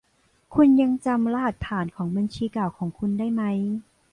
คุณยังจำรหัสผ่านของบัญชีเก่าของคุณได้ไหม